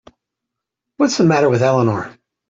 What's the matter with Eleanor?